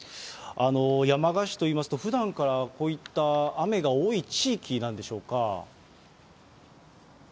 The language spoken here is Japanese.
山鹿市といいますと、ふだんからこういった雨が多い地域なんでしょうか。